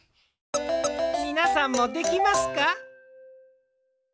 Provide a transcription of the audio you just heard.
みなさんもできますか？